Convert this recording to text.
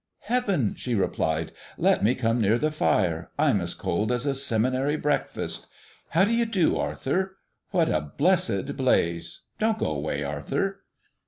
"Heaven!" she replied, "let me come near the fire. I'm as cold as a seminary breakfast. How do you do, Arthur? What a blessed blaze! Don't go away, Arthur."